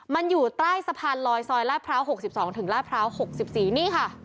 มันอยู่ใต้สะพานลอยซอยลาดพร้าว๖๒ถึงลาดพร้าว๖๔นี่ค่ะ